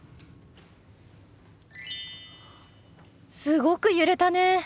すごく揺れたね。